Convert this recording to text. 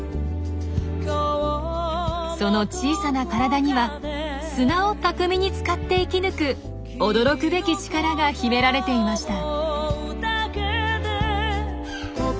その小さな体には砂を巧みに使って生き抜く驚くべき力が秘められていました。